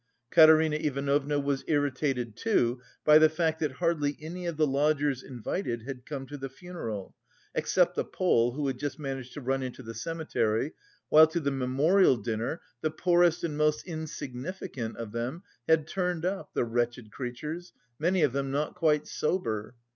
Katerina Ivanovna was irritated too by the fact that hardly any of the lodgers invited had come to the funeral, except the Pole who had just managed to run into the cemetery, while to the memorial dinner the poorest and most insignificant of them had turned up, the wretched creatures, many of them not quite sober.